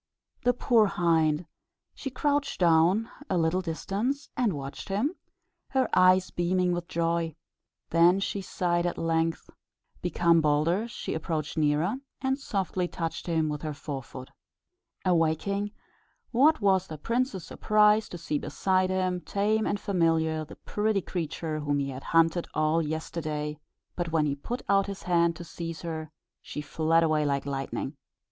The poor hind! she crouched down at a little distance, and watched him, her eyes beaming with joy. Then she sighed: at length, become bolder, she approached nearer, and softly touched him with her fore foot. Awaking, what was the prince's surprise to see beside him, tame and familiar, the pretty creature whom he had hunted all yesterday; but when he put out his hand to seize her, she fled away like lightning.